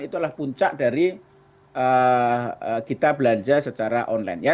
itulah puncak dari kita belanja secara online